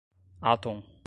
atom